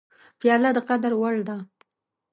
پیاله د قدر وړ ده.